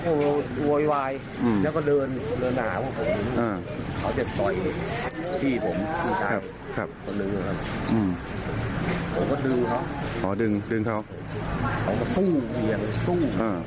เขาก็สู้เหมือนสู้